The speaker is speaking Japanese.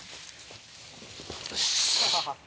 よし！